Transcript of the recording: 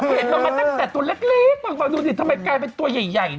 เห็นเรามาตั้งแต่ตัวเล็กมากดูสิทำไมกลายเป็นตัวใหญ่